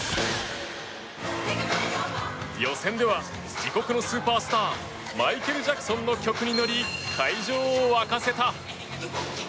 予選では自国のスーパースターマイケル・ジャクソンの曲に乗り会場を沸かせた。